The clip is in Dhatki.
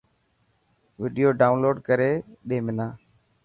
وڊيو ڊائونلوڊ ڪري ڏي منا.